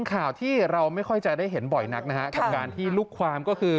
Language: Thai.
ข่าวที่เราไม่ค่อยจะได้เห็นบ่อยนักนะฮะกับการที่ลูกความก็คือ